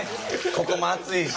ここも熱いし。